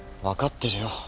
分かってるよ。